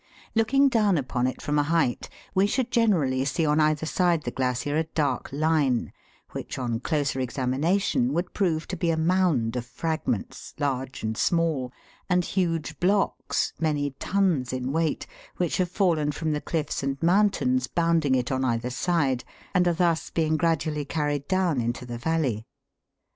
Looking down upon it from a height, we should generally see on either side the glacier a dark line, which, on closer examination, would prove to be a mound of fragments, large and small, and huge blocks, many tons in weight, which have fallen from the cliffs and mountains bounding it on either side, and are thus being gradually carried down into the valley.